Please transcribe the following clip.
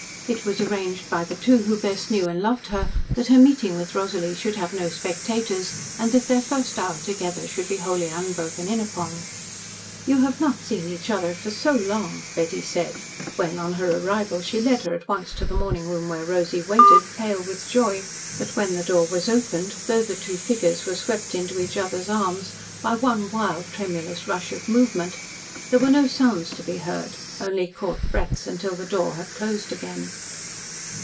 It was arranged by the two who best knew and loved her that her meeting with Rosalie should have no spectators, and that their first hour together should be wholly unbroken in upon. "You have not seen each other for so long," Betty said, when, on her arrival, she led her at once to the morning room where Rosy waited, pale with joy, but when the door was opened, though the two figures were swept into each other's arms by one wild, tremulous rush of movement, there were no sounds to be heard, only caught breaths, until the door had closed again.